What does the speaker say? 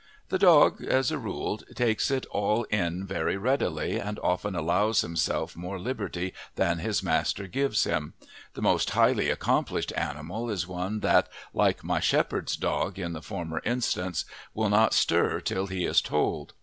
The dog, as a rule, takes it all in very readily and often allows himself more liberty than his master gives him; the most highly accomplished animal is one that, like my shepherd's dog in the former instance, will not stir till he is told.